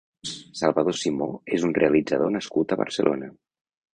Salvador Simó és un realitzador nascut a Barcelona.